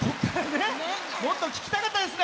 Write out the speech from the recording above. もっと聴きたかったですね。